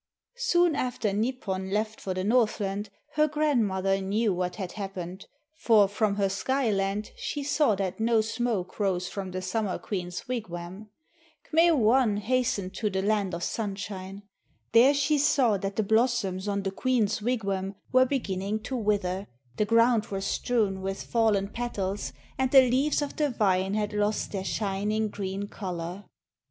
Soon after Nipon left for the Northland her grandmother knew what had happened, for from her Skyland she saw that no smoke rose from the Summer Queen's wigwam. K'me wan hastened to the land of Sunshine. There she saw that the blossoms on the queen's wigwam were beginning to wither, the ground was strewn with fallen petals, and the leaves of the vine had lost their shining green colour.